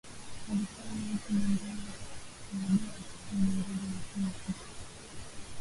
alikuwa Origene ambaye baadaye akapewa uongozi wa chuo hicho